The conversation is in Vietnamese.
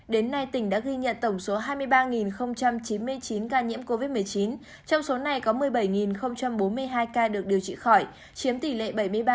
đến nay tỉnh đã ghi nhận tổng số hai mươi ba chín mươi chín ca nhiễm covid một mươi chín trong số này có một mươi bảy bốn mươi hai ca được điều trị khỏi chiếm tỷ lệ bảy mươi ba